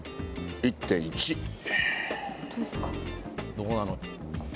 どうなの？